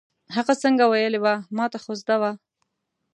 هغه څنګه ویلې وه، ما ته خو زده وه.